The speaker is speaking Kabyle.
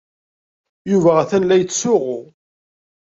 Yuba atan la yettsuɣu.